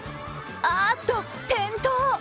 あーっと、転倒。